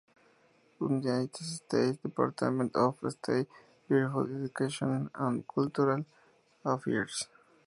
United States Department of State Bureau of Educational and Cultural Affairs.